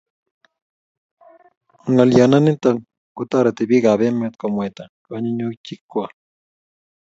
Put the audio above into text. ngolyo nitok ko tareti piik ab emet ko mwaita kanguyngunyik kwai